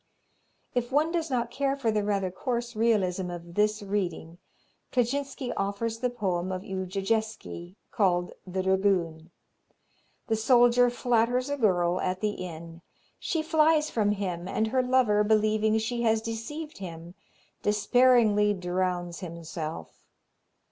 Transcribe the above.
If one does not care for the rather coarse realism of this reading Kleczynski offers the poem of Ujejeski, called The Dragoon. A soldier flatters a girl at the inn. She flies from him, and her lover, believing she has deceived him, despairingly drowns himself.